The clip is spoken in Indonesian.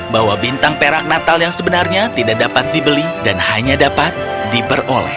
bahwa bintang perak natal yang sebenarnya tidak dapat dibeli dan hanya dapat diperoleh